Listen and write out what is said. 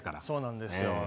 そうなんですよ。